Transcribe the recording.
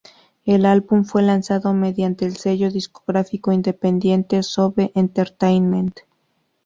El álbum fue lanzado mediante el sello discográfico independiente SoBe Entertainment.